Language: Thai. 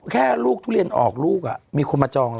แค่ลูกทุเรียนออกลูกมีคนมาจองแล้ว